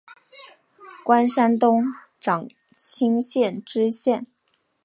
官山东长清县知县。